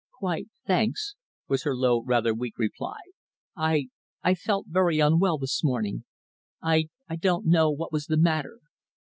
"Quite, thanks," was her low, rather weak reply. "I I felt very unwell this morning. I I don't know what was the matter."